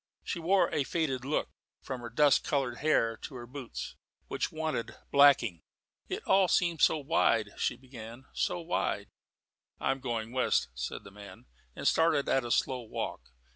She wore a faded look, from her dust coloured hair to her boots, which wanted blacking. "It all seems so wide," she began; "so wide " "I'm going west," said the man, and started at a slow walk.